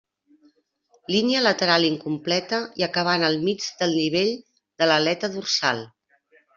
Línia lateral incompleta i acabant al mig del nivell de l'aleta dorsal.